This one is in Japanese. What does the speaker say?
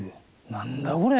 何だこれ！